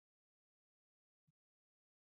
ځاځي اریوب ځنګلونه لري؟